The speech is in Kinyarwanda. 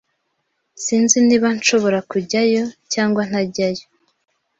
Sinzi niba nshobora kujyayo cyangwa ntajyayo.